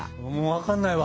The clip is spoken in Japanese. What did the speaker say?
分かんないわ。